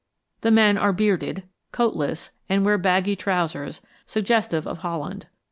The men are bearded, coatless, and wear baggy trousers, suggestive of Holland.